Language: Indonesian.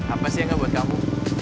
apa sih yang gak buat kamu